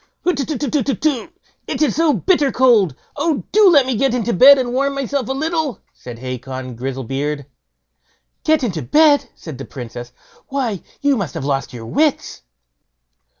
"Hutetutetutetu! it is so bitter cold! Oh, do let me get into bed and warm myself a little", said Hacon Grizzlebeard. "Get into bed!" said the Princess; "why, you must have lost your wits."